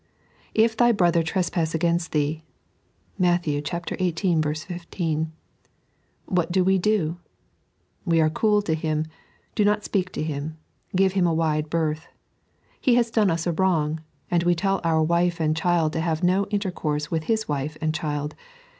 " If thy brother trespass against thee " (Matt, xviii. 15), what do we do? We are cool to him, do not speak to him, give him a wide berth. He has done us a wrong, and we tell our wife and child to have no inter course. with his wife and chOd.